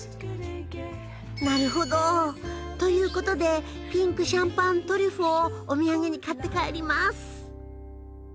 なるほどという事でピンク・シャンパン・トリュフをお土産に買って帰ります。